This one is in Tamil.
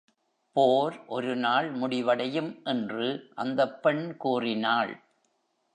"போர் ஒருநாள் முடிவடையும்" என்று அந்தப் பெண் கூறினாள்.